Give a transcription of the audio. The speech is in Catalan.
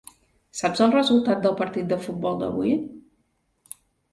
Saps el resultat del partit de futbol d'avui?